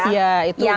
iya itu berpeluang